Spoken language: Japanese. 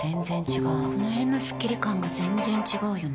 この辺のスッキリ感が全然違うよね。